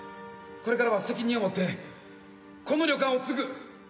これからは責任を持ってこの旅館を継ぐ。